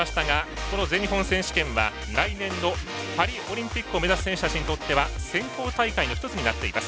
この全日本選手権は来年のパリオリンピックを目指す選手たちにとっては選考大会の１つになっています。